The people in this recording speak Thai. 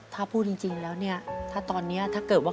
ถ้าพูดจริงแล้วเนี่ยถ้าตอนนี้ถ้าเกิดว่า